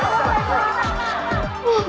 pak pak pak pak